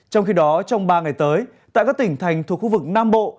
trong khi đó trong ba ngày tới tại các tỉnh thành thuộc khu vực nam bộ